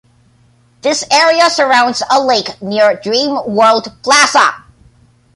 This area surrounds a lake near Dream World Plaza.